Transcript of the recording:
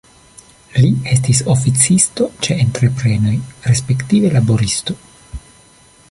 Li estis oficisto ĉe entreprenoj, respektive laboristo.